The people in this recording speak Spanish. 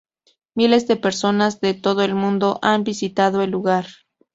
Miles de personas de todo el mundo han visitado el lugar.